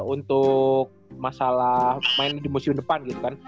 untuk masalah main di museum depan gitu kan